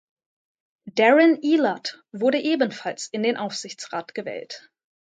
Darren Ehlert wurde ebenfalls in den Aufsichtsrat gewählt.